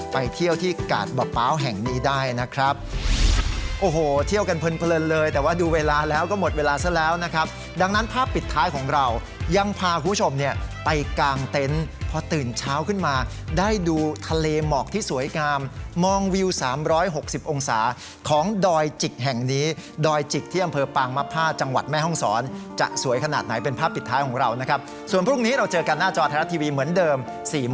ไปเที่ยวที่กาดบะเป้าแห่งนี้ได้นะครับโอ้โหเที่ยวกันเพลินเพลินเลยแต่ว่าดูเวลาแล้วก็หมดเวลาซะแล้วนะครับดังนั้นภาพปิดท้ายของเรายังพาคุณผู้ชมเนี่ยไปกลางเต็นต์พอตื่นเช้าขึ้นมาได้ดูทะเลหมอกที่สวยกามมองวิวสามร้อยหกสิบองศาของดอยจิกแห่งนี้ดอยจิกที่อำเภอปางมภาจังหวัดแม่ห้องศรจะส